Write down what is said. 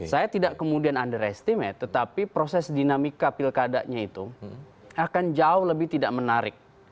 saya tidak kemudian underestimate tetapi proses dinamika pilkadanya itu akan jauh lebih tidak menarik